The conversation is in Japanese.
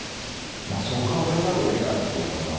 そう考えざるを得ないと思います。